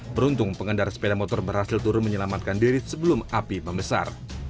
beruntung pengendara sepeda motor berhasil turun menyelamatkan diri sebelum api membesar